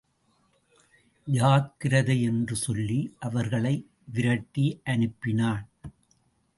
ஜாக்கிரதை என்று சொல்லி அவர்களை விரட்டி அனுப்பினான்.